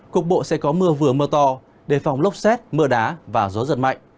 cục bộ sẽ có mưa vừa mưa to đề phòng lốc xét mưa đá và gió giật mạnh